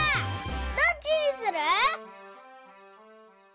どっちにする？